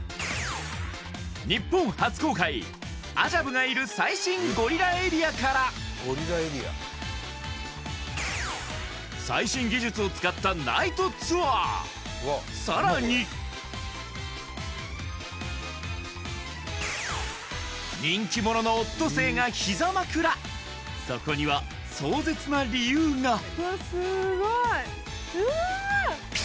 日本初公開アジャブがいる最新ゴリラエリアから最新技術を使ったナイトツアーさらに人気者のオットセイが膝枕そこには壮絶な理由が・うわすーごいうわーっ